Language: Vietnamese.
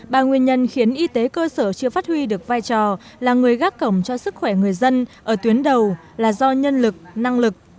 ba nguyên nhân khiến y tế cơ sở chưa phát huy được vai trò là người gác cổng cho sức khỏe người dân ở tuyến đầu là do nhân lực năng lực